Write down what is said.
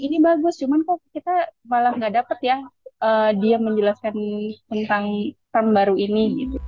ini bagus cuman kok kita malah nggak dapat ya dia menjelaskan tentang term baru ini